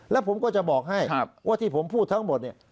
แล้วผมก็จะบอกให้ว่าที่ผมพูดทั้งหมดเนี่ย